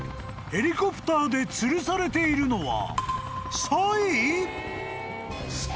ヘリコプターでつるされているのは］